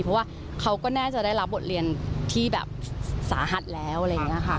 เพราะว่าเขาก็น่าจะได้รับบทเรียนที่แบบสาหัสแล้วอะไรอย่างนี้ค่ะ